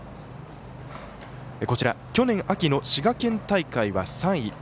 こちら、去年秋の滋賀県大会は３位。